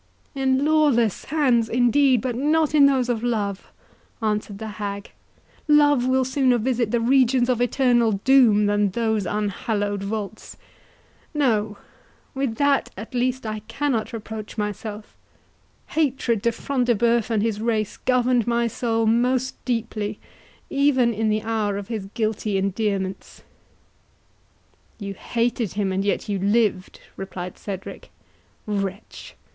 "In lawless hands, indeed, but not in those of love!" answered the hag; "love will sooner visit the regions of eternal doom, than those unhallowed vaults.—No, with that at least I cannot reproach myself—hatred to Front de Bœuf and his race governed my soul most deeply, even in the hour of his guilty endearments." "You hated him, and yet you lived," replied Cedric; "wretch!